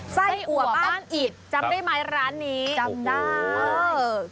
ไส้อัวบ้านอิดจำได้ไหมร้านนี้จำได้เออ